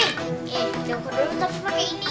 oke kita angkat dulu tapi pakai ini ya